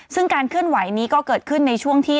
ซึ่งการเคลื่อนไหวนี้ก็เกิดขึ้นในช่วงที่